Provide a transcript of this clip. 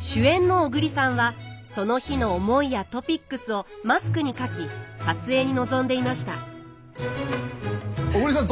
主演の小栗さんはその日の思いやトピックスをマスクに書き撮影に臨んでいました小栗さん